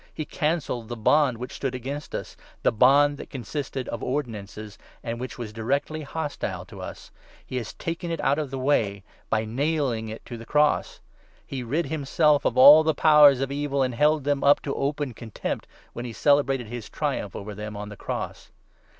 He cancelled the bond which 14 stood against us — the bond that consisted of ordinances— and which was directly hostile to us ! He has taken it out of our way by nailing it to the cross ! He rid himself of all the 15 Powers of Evil, and held them up to open contempt, when he celebrated his triumph over them on the cross